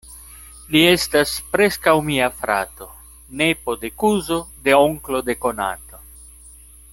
Li estas preskaŭ mia frato: nepo de kuzo de onklo de konato.